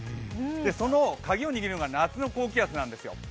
そのカギを握るのが夏の高気圧なんですよ。